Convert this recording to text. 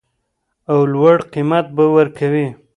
او لوړ قیمت به ورکوي